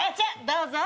どうぞ。